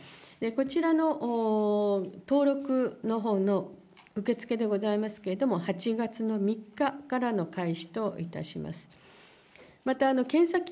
こちらの登録のほうの受け付けでございますけれども、８月の３日からの開始といたします。